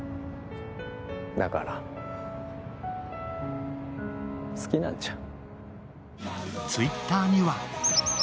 だから、好きなんじゃん。